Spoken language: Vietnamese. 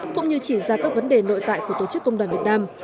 cũng như chỉ ra các vấn đề nội tại của tổ chức công đoàn việt nam